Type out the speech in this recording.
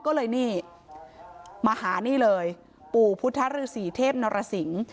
ก็เลยนี่มาหานี่เลยปู่พุทธฤษีเทพนรสิงศ์